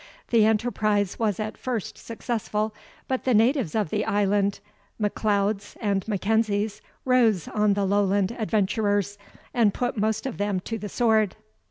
The enterprise was at first successful, but the natives of the island, MacLeods and MacKenzies, rose on the Lowland adventurers, and put most of them to the sword.